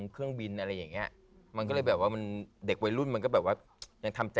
ประมาณน่าจะ๒๐